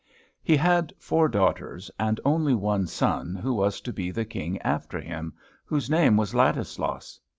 He had four daughters, and only one son, who was to be the King after him, whose name was Ladislaus.